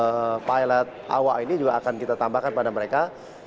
tetapi juga nanti untuk pengawasan terhadap pilot awak ini juga akan kita tambahkan pada mereka